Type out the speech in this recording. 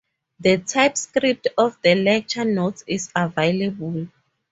A typescript of the lecture notes is available.